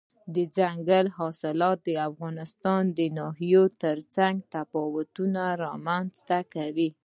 دځنګل حاصلات د افغانستان د ناحیو ترمنځ تفاوتونه رامنځ ته کوي.